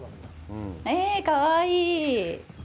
え、かわいい。